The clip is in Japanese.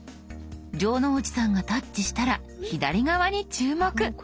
城之内さんがタッチしたら左側に注目。